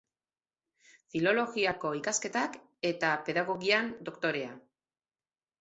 Filologiako ikasketak eta Pedagogian doktorea.